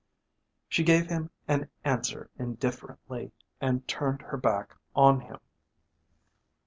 She gave him an answer indifferently and turned her back on him.